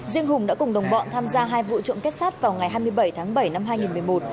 riêng hùng đã cùng đồng bọn tham gia hai vụ trộm kết sát vào ngày hai mươi bảy tháng bảy năm hai nghìn một mươi một